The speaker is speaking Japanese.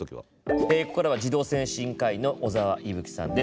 ここからは児童精神科医の小澤いぶきさんです。